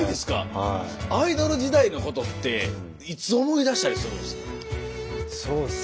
アイドル時代のことっていつ思い出したりするんですか？